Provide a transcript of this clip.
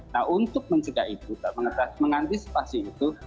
nah untuk mencegah itu mengantisipasi itu